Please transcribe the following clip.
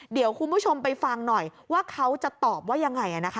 เดี๋ยวคุณผู้ชมไปฟังหน่อยว่าเขาจะตอบว่ายังไงนะคะ